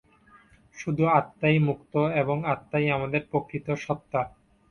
শুধু আত্মাই মুক্ত এবং আত্মাই আমাদের প্রকৃত সত্তা।